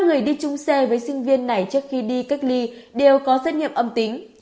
người đi chung xe với sinh viên này trước khi đi cách ly đều có xét nghiệm âm tính